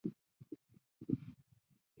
澳式足球成为了该国的国民运动。